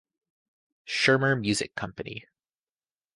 Schirmer Music Company.